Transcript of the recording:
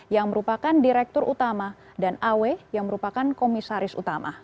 yang merupakan direktur utama dan aw yang merupakan komisaris utama